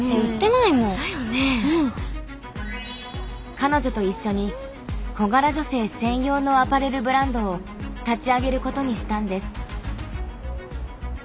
彼女と一緒に小柄女性専用のアパレルブランドを立ち上げることにしたんです。